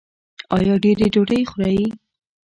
ایا ډیرې ډوډۍ خورئ؟